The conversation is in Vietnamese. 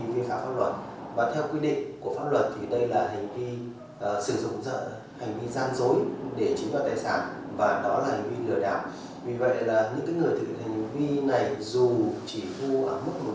vì vậy là những người thử hành vi này dù chỉ thu mức một trăm linh